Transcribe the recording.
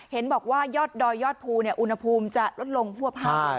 เฮนบอกว่ายอดดอยยอดภูอุณหภูมิจะลดลงหัวพันธุ์นะ